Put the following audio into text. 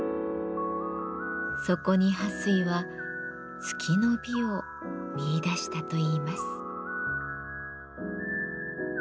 そこに巴水は月の美を見いだしたといいます。